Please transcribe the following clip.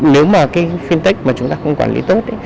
nếu mà cái fintech mà chúng ta không quản lý tốt ấy